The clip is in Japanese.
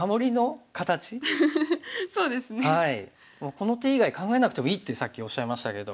「この手以外考えなくてもいい」ってさっきおっしゃいましたけど。